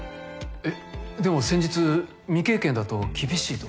えっでも先日未経験だと厳しいと。